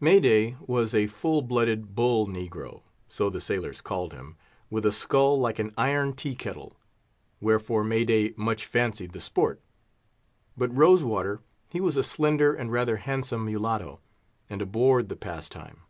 May day was a full blooded "bull negro," so the sailors called him, with a skull like an iron tea kettle, wherefore May day much fancied the sport. But Rose water, he was a slender and rather handsome mulatto, and abhorred the pastime.